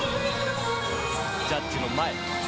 ジャッジの前。